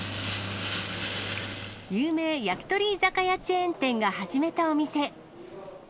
有名焼き鳥居酒屋チェーン店が始めたお店。